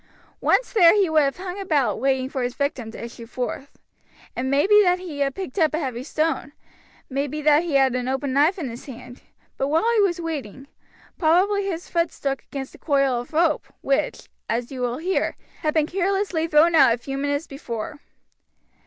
Once there he would have hung about waiting for his victim to issue forth. It may be that he had picked up a heavy stone, may be that he had an open knife in his hand; but while he was waiting, probably his foot struck against a coil of rope, which, as you will hear, had been carelessly thrown out a few minutes before.